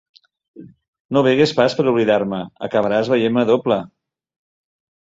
No begues pas per oblidar-me: acabaràs veient-me doble.